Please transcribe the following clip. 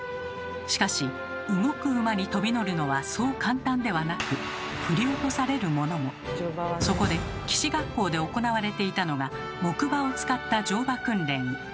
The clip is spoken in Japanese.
しかし動く馬にとび乗るのはそう簡単ではなくそこで騎士学校で行われていたのが木馬を使った乗馬訓練。